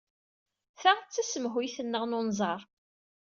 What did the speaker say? Ta d tasemhuyt-nneɣ n unẓar.